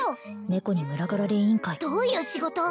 猫に群がられ委員会どういう仕事！？